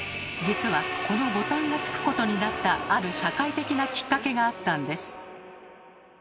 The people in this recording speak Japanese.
実はこのボタンが付くことになったある社会的なきっかけがあったんです。